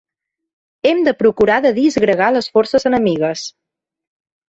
Hem de procurar de disgregar les forces enemigues.